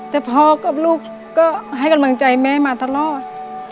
แต่พ่อกับลูกก็ให้กำลังใจแม่มาตลอด